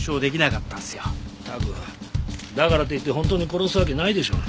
ったくだからっていって本当に殺すわけないでしょう。